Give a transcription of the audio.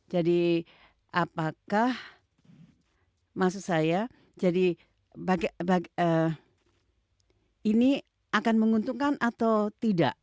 jadi apakah maksud saya jadi ini akan menguntungkan atau tidak